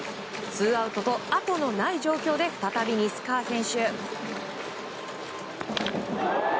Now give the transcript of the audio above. ツーアウトとあとのない状況で再び西川選手。